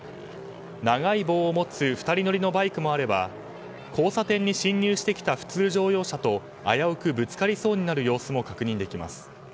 長い棒を持つ２人乗りのバイクもあれば交差点に進入してきた普通乗用車と危うくぶつかりそうになる様子も確認できます。